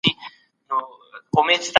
څېړونکی د تخلیقي ادب تفسیر او شننه کوي.